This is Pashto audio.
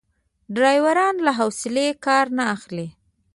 ډریوران له حوصلې کار نه اخلي.